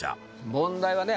問題はね